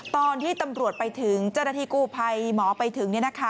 ตอนที่ตำรวจไปถึงจรภิกูภัยหมอไปถึง